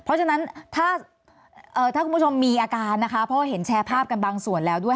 เพราะฉะนั้นถ้าคุณผู้ชมมีอาการนะคะเพราะว่าเห็นแชร์ภาพกันบางส่วนแล้วด้วย